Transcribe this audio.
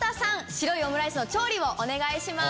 白いオムライスの調理をお願いします。